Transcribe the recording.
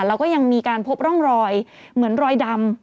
แล้วก็ยังมีการพบร่องรอยเหมือนรอยดำ